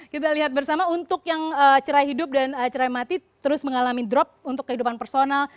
kita lihat bersama untuk yang cerai hidup dan cerai mati terus mengalami drop untuk kehidupan personal